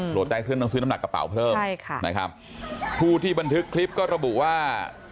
โหลดใต้เครื่องต้องซื้อน้ำหนักกระเป๋าเพิ่มผู้ที่บันทึกคลิปก็ระบุว่า